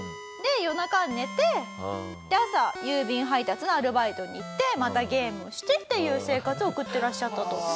で夜中寝て朝郵便配達のアルバイトに行ってまたゲームをしてっていう生活を送ってらっしゃったと。